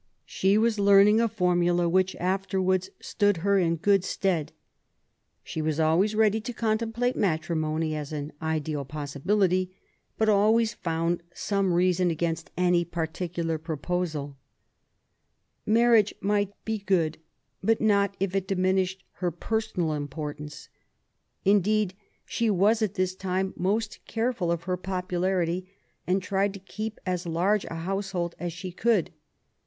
She was learning a formula which afterwards stood in her good stead. She was always ready to contemplate matrimony as an ideal possi '■bility, but s^ays found some reason against any ^particular proposal. Marriage might be good, but %ot if it diminished her personal importance. Indeed, she was at this time most careful of her popularity, 38 QUEEN ELIZABETH, and tried to keep as large a household as she could.